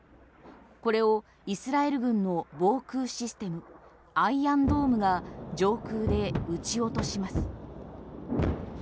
これをイスラエル軍の防空システムアイアンドームが上空で撃ち落とします。